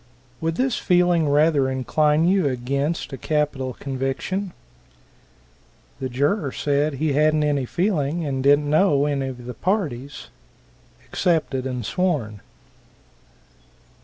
"Would this feeling rather incline you against a capital conviction?" The juror said he hadn't any feeling, and didn't know any of the parties. Accepted and sworn.